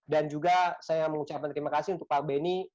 dan juga saya mengucapkan terima kasih untuk pak benny